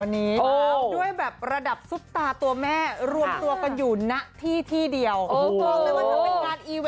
ด้วยแบบระดับซุบตาตัวแม่ร่วมตวกันอยู่หน้าที่ที่เดียว